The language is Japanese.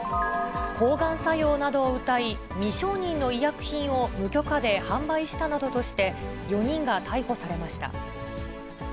抗がん作用などをうたい、未承認の医薬品を無許可で販売したなどとして、４人が逮捕されました。